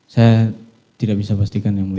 saya tidak bisa pastikan yang mulia